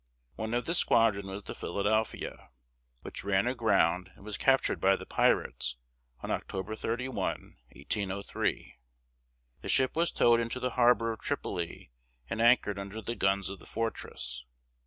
One of this squadron was the Philadelphia, which ran aground and was captured by the pirates on October 31, 1803. The ship was towed into the harbor of Tripoli and anchored under the guns of the fortress.